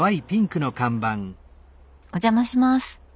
お邪魔します。